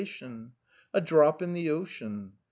A drop in the ocean